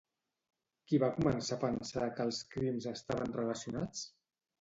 Qui va començar a pensar que els crims estaven relacionats?